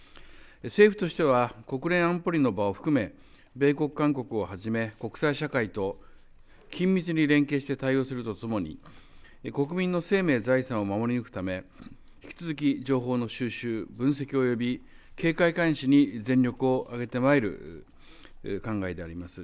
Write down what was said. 政府としては、国連安保理の場を含め、米国、韓国をはじめ、国際社会と緊密に連携して対応するとともに、国民の生命、財産を守り抜くため、引き続き情報の収集、分析および警戒監視に全力を挙げてまいる考えであります。